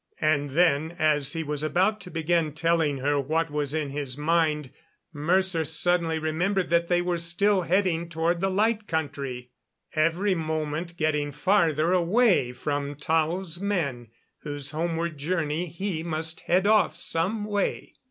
And then as he was about to begin telling her what was in his mind Mercer suddenly remembered that they were still heading toward the Light Country, every moment getting farther away from Tao's men, whose homeward journey he must head off some way.